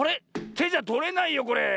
てじゃとれないよこれ。